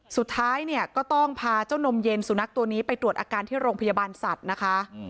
สุดท้ายเนี่ยก็ต้องพาเจ้านมเย็นสุนัขตัวนี้ไปตรวจอาการที่โรงพยาบาลสัตว์นะคะ